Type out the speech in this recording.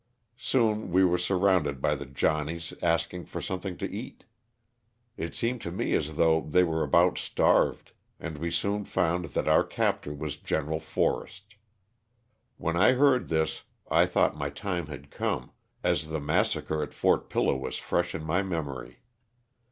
Soon we were surrounded by the "Johnnies,'' asking for something to eat. It seemed to me as though they were about starved, and we soon found that our captor was Gen. Forrest. When I heard this I thought my time had come, as the mas sacre at Fort Pillow was fresh in my memory.